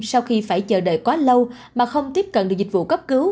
sau khi phải chờ đợi quá lâu mà không tiếp cận được dịch vụ cấp cứu